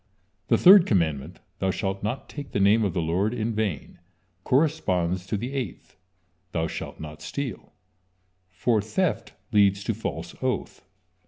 The third commandment: "Thou shalt not take the name of the Lord in vain," corresponds to the eighth: "Thou shalt not steal," for theft leads to false oath.